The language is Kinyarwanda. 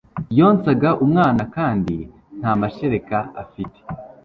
yonsaga umwana kandi nta mashereka afite